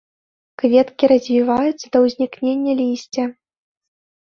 Кветкі развіваюцца да ўзнікнення лісця.